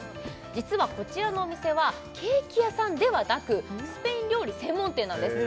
実はこちらのお店はケーキ屋さんではなくスペイン料理専門店なんです